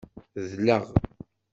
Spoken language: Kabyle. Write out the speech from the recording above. Dleɣ.